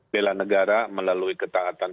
bela negara melalui ketahuan